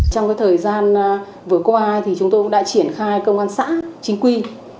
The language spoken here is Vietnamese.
trong cái thời gian vừa qua thì chúng tôi đã triển khai công an xã chính quy